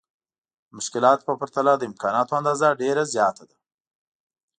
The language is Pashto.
د مشکلاتو په پرتله د امکاناتو اندازه ډېره زياته ده.